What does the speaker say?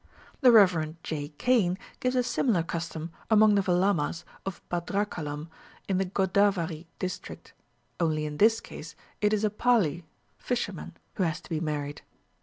The Rev. J. Cain gives a similar custom among the Velamas of Bhadrachalam in the Godavari district, only in this case it is a Palli (fisherman) who has to be married.